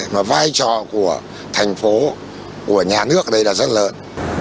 mà vai trò của thành phố của nhà nước ở đây là rất lớn